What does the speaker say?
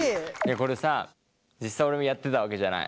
これさ実際俺がやってたわけじゃない？